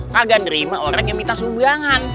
kagak nerima orang yang minta sumbangan